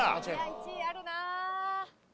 １位あるな。